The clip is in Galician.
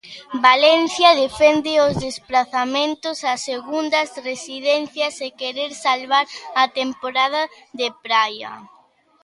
Valencia defende os desprazamentos a segundas residencias e querer salvar a temporada de praia.